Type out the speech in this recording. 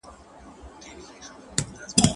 هغه خپلو ټولو ګاونډیانو ته د مرستې لپاره غږ وکړ.